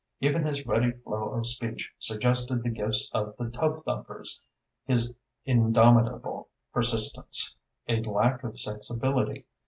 Even his ready flow of speech suggested the gifts of the tubthumpers his indomitable persistence, a lack of sensibility.